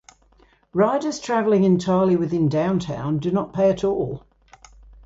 Riders traveling entirely within downtown do not pay at all.